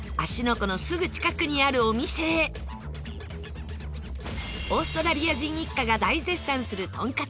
湖のすぐ近くにあるお店へオーストラリア人一家が大絶賛するとんかつ